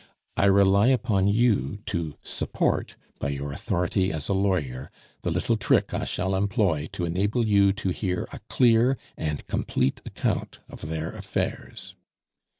I rely upon you to support, by your authority as a lawyer, the little trick I shall employ to enable you to hear a clear and complete account of their affairs.